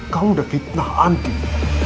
kamu sudah fitnah andien